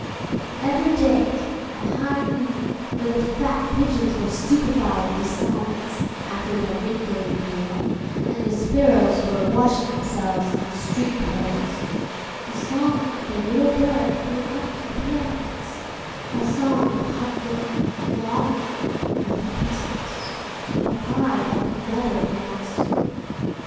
And every day, at high noon, when the fat pigeons were stupefied into silence after their midday meal and the sparrows were washing themselves in the street puddles, the song of the little bird came up to the parapetsŌĆöa song of hunger and longing and hopelessness, a cry that could never be answered.